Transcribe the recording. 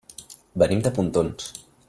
Venim de Pontons.